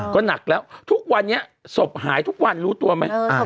ก็หนักแล้วทุกวันนี้ศพหายทุกวันรู้ตัวไหม